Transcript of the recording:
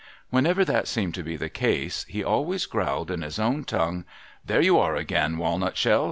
^^l^enever that seemed to be the case, he always growled in his own tongue, ' There you are again, walnut shell